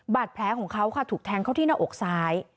บาดแผลของเขาค่ะถูกแทงเขาที่หน้าอกซ้าย